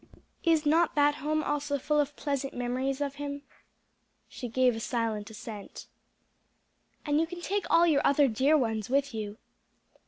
Is not that home also full of pleasant memories of him?" She gave a silent assent. "And you can take all your other dear ones with you."